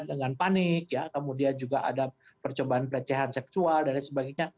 dengan panik ya kemudian juga ada percobaan pelecehan seksual dan lain sebagainya